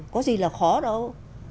có gì là khó đâu